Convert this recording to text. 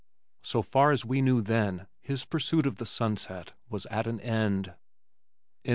So far as we then knew his pursuit of the Sunset was at an end.